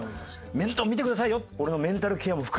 「面倒見てくださいよ俺のメンタルケアも含めて」。